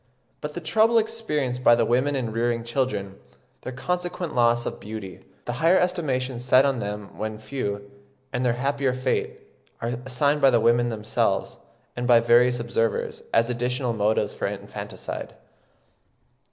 But the trouble experienced by the women in rearing children, their consequent loss of beauty, the higher estimation set on them when few, and their happier fate, are assigned by the women themselves, and by various observers, as additional motives for infanticide.